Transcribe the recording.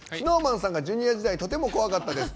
ＳｎｏｗＭａｎさんがＪｒ．時代とても怖かったです。